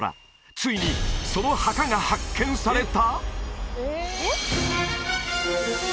ついにその墓が発見された！？